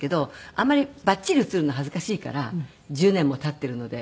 あんまりバッチリ写るの恥ずかしいから１０年も経っているので。